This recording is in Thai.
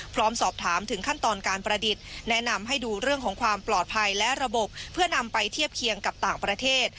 พร้อมสอบถามถึงขั้นตอนการประดิษฐ์แนะนำให้ดูเรื่องของความปลอดภัยและระบบเพื่อนำไปเทียบเคียงกับต่างประเทศ